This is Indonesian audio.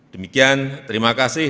demikian terima kasih